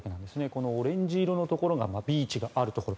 このオレンジ色のところがビーチがあるところ。